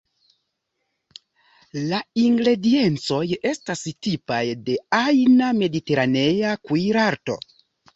La ingrediencoj estas tipaj de ajna mediteranea kuirarto.